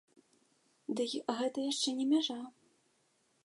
Дый гэта яшчэ не мяжа.